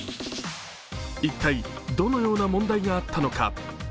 一体どのような問題があったのか？